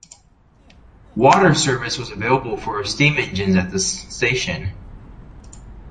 Water service was available for steam engines at this station.